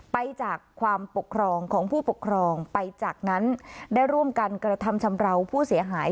ไปจากความปกครองของผู้ปกครองไปจากนั้นได้ร่วมกันกระทำชำราวผู้เสียหาย